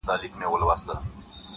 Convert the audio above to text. اوس به څوك د ارغسان پر څپو ګرځي-